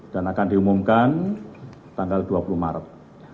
dan akan diumumkan tanggal dua puluh maret